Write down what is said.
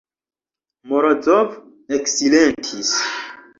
Morozov eksilentis.